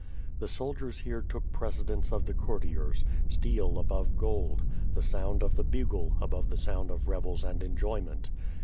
The soldiers here took precedence of the courtiers, steel above gold, the sound of the bugle above the sound of revels and enjoyment.